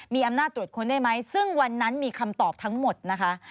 มีอำนาจตรวจค้นได้ไหมซึ่งวันนั้นมีคำตอบทั้งหมดนะคะ